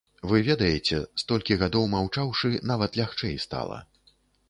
Вы ведаеце, столькі гадоў маўчаўшы, нават лягчэй стала.